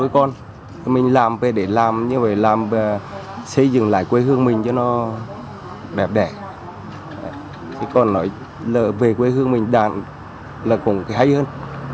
còn nói về quê hương mình là cũng hay hơn